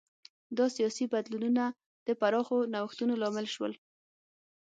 دا سیاسي بدلونونه د پراخو نوښتونو لامل شول.